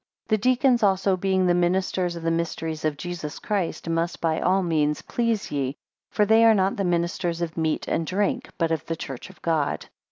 7 The deacons also, as being the ministers of the mysteries of Jesus Christ, must by all means please ye. For they are not the ministers of meat and drink, but of the church of God.